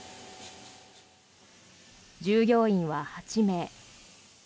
従業員は８名。